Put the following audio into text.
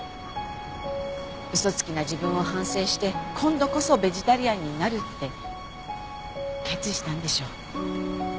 嘘つきな自分を反省して今度こそベジタリアンになるって決意したんでしょう。